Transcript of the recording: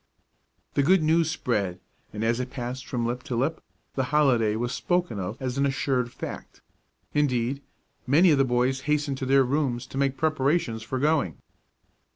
The good news spread, and as it passed from lip to lip, the holiday was spoken of as an assured fact. Indeed, many of the boys hastened to their rooms to make preparations for going.